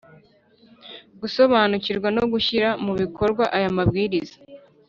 Gusobanukirwa no gushyira mu bikorwa aya mabwiriza